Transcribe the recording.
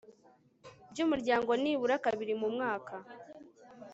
by umuryango nibura kabiri mu mwaka